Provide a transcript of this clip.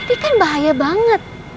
ini kan bahaya banget